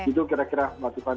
itu kira kira mbak tiffany